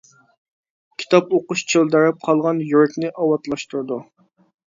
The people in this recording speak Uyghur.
كىتاب ئوقۇش چۆلدەرەپ قالغان يۈرەكنى ئاۋاتلاشتۇرىدۇ.